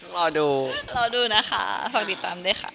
รอดูรอดูนะคะฝากติดตามด้วยค่ะ